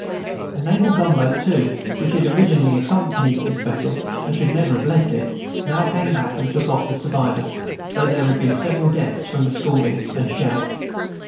A naval gunboat, too, which had originally accompanied this vessel, and should never have left it, now came back and took off the survivors, though there had been several deaths from scalding and shell.